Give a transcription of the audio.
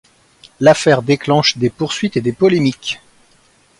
L'affaire déclenche des poursuites et des polémiques.